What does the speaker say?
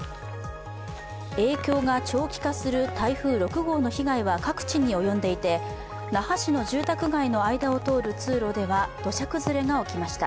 影響が長期化する台風６号の被害は各地に及んでいて那覇市の住宅街の間を通る通路では土砂崩れが起きました。